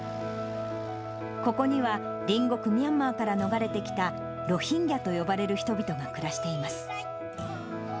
ここには隣国ミャンマーから逃れてきた、ロヒンギャと呼ばれる人々が暮らしています。